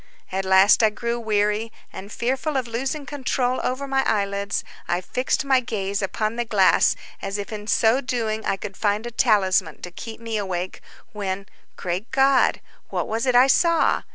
At last I grew weary, and fearful of losing control over my eyelids, I fixed my gaze upon the glass, as if in so doing I should find a talisman to keep me awake, when, great God! what was it I saw!